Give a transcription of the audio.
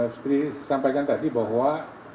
seperti disampaikan tadi bahwa